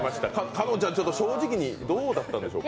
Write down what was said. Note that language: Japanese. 香音ちゃん、正直どうだったんでしょうか。